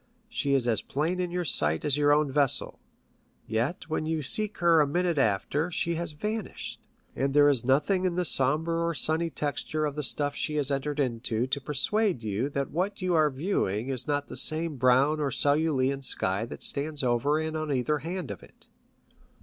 She is as plain in your sight as your own vessel ; yet when you seek her a minute after, she has vanished, and there is nothing in^the sombre or sunny texture of the stuff she has entered to persuade you that what you are viewing is not the same brown or cerulean sky that stands over and on either hand of it.